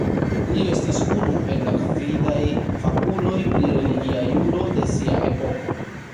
Li estis unu el la gvidaj fakuloj pri religia juro de sia epoko.